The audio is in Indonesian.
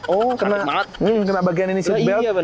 oh kena bagian ini seatbelt